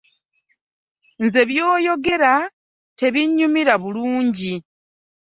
Nze by'oyogera tebinyumirwa bulungi.